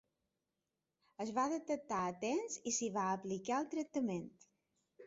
Es va detectar a temps i s'hi va aplicar el tractament.